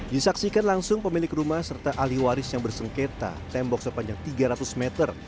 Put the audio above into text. disaksikan langsung pemilik rumah serta ahli waris yang bersengketa tembok sepanjang tiga ratus meter